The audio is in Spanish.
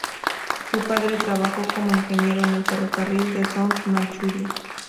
Su padre trabajó como ingeniero en el ferrocarril de South Manchuria.